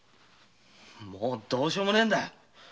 もうどうしようもないんだ！